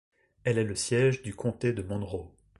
Elle est le siège du comté de Monroe.